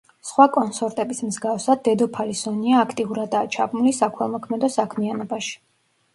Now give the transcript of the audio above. სხვა კონსორტების მსგავსად, დედოფალი სონია აქტიურადაა ჩაბმული საქველმოქმედო საქმიანობაში.